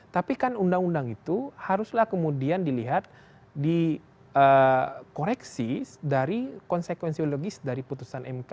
tapi kan undang undang itu haruslah kemudian dilihat dikoreksi dari konsekuensi logis dari putusan mk